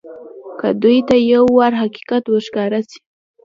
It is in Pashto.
که دوى ته يو وار حقيقت ورښکاره سي.